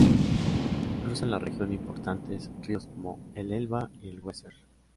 Cruzan la región importantes ríos como el Elba y el Weser.